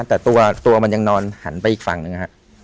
แต่ตัวมันยังนอนหันไปอีกฝั่งหนึ่งฮะ